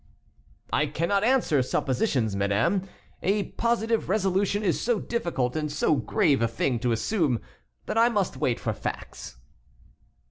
"I cannot answer suppositions, madame; a positive resolution is so difficult and so grave a thing to assume that I must wait for facts."